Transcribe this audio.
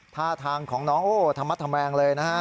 ท่าทางของน้องโอ้ธรรมแงงเลยนะฮะ